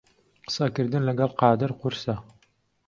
قسەکردن لەگەڵ قادر قورسە.